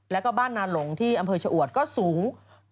แล้วก็บ้านนาหลงที่อำเภอชะอวดก็สูง